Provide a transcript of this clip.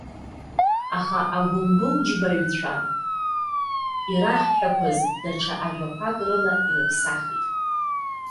Аха агәымбылџьбаҩцәа ираҳҳәақәаз даҽа ажәақәак рыла ирыԥсахит.